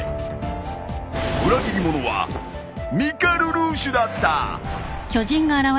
［裏切り者はミカルルーシュだった］